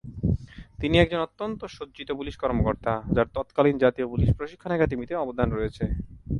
তিনি একজন অত্যন্ত সজ্জিত পুলিশ কর্মকর্তা যার তৎকালীন জাতীয় পুলিশ প্রশিক্ষণ একাডেমিতে অবদান রয়েছে।